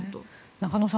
中野さん